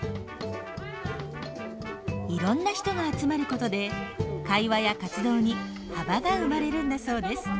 いろんな人が集まることで会話や活動に幅が生まれるんだそうです。